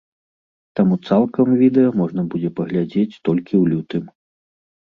Таму цалкам відэа можна будзе паглядзець толькі ў лютым.